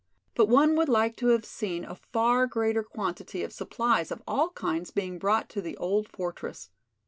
But one would like to have seen a far greater quantity of supplies of all kinds being brought to the old fortress.